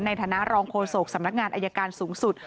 ในฐานะรองโฆษกสำนักงานอายการสูงสุด